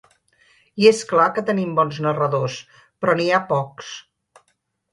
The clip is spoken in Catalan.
I és clar que tenim bons narradors, però n’hi ha pocs.